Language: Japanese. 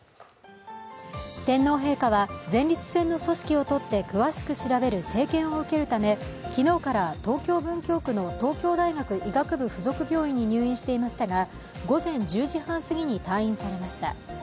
天皇陛下は、前立腺の組織をとって詳しく調べる生検を受けるため昨日から東京・文京区の東京大学医学部附属病院に入院していましたが、午前１０時半過ぎに退院されました。